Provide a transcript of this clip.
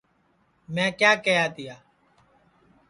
میں کیا کیہیا تیا